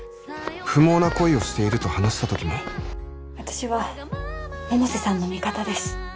不毛な恋をしていると話した時も私は百瀬さんの味方です